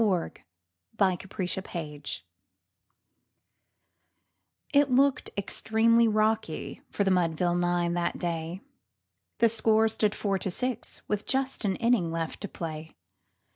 _ CASEY AT THE BAT It looked extremely rocky for the Mudville nine that day, The score stood four to six with but an inning left to play.